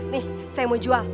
nih saya mau jual